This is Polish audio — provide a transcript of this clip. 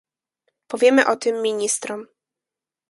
Powiemy o tym ministrom